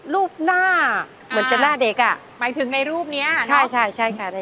รูปหน้าเหมือนจะหน้าเด็กอะหมายถึงในรูปนี้ใช่